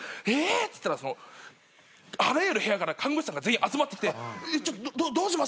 っつったらそのあらゆる部屋から看護師さんが全員集まってきてどうします？